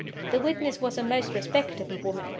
The witness was a most respectable woman.